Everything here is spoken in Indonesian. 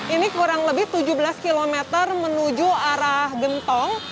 ini kurang lebih tujuh belas km menuju arah gentong